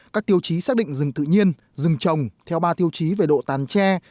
các tiêu chí xác định rừng tự nhiên rừng trồng theo ba tiêu chí về độ tán tre